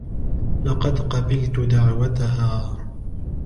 لقد قبلت دعوتها.